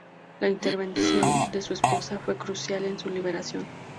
La intervención de su esposa fue crucial en su liberación.